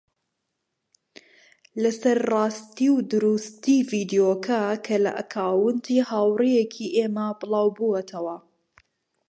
لەسەر ڕاستی و دروستی ڤیدیۆکە کە لە ئەکاونتی هاوڕێیەکی ئێمە بڵاوبووەتەوە